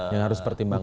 yang harus pertimbangkan